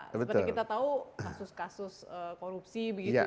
seperti kita tahu kasus kasus korupsi begitu